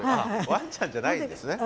ワンちゃんじゃないんですね。